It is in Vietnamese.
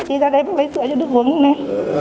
đi ra đây bác lấy sữa cho được uống nhanh lên